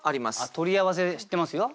取り合わせ知ってますよ。